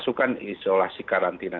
susahkan isolasi karantina